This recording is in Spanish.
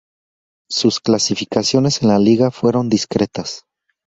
Sus clasificaciones en la liga fueron discretas.